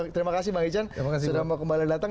terima kasih bang ican sudah mau kembali datang